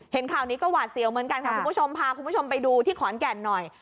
ข่าวนี้ก็หวาดเสียวเหมือนกันค่ะคุณผู้ชมพาคุณผู้ชมไปดูที่ขอนแก่นหน่อย